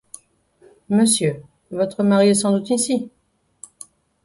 Monsieur votre mari est sans doute ici ?